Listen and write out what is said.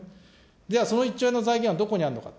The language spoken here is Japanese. では、その１兆円の財源はどこにあるのかと。